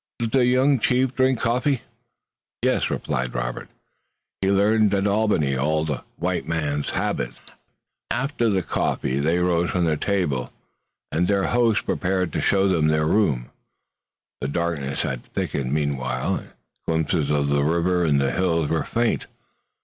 Does the young chief drink coffee?" "Yes," replied Robert, "he learned at Albany all the white man's habits." After the coffee they rose from the table and mine host prepared to show them to their room. The darkness had thickened meanwhile and glimpses of the river and the hills were faint.